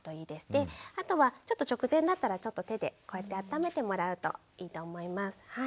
であとはちょっと直前になったらちょっと手でこうやってあっためてもらうといいと思います。